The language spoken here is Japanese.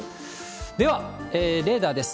ではレーダーです。